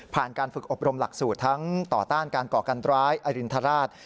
การฝึกอบรมหลักสูตรทั้งต่อต้านการก่อการร้ายอรินทราช